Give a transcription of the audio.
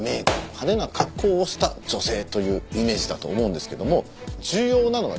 派手な格好をした女性というイメージだと思うんですけども重要なのはですね